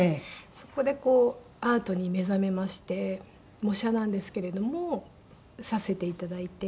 そこでアートに目覚めまして模写なんですけれどもさせて頂いて。